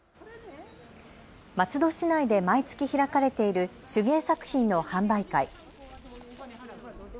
松戸市内で毎月開かれている手芸作品の販売会。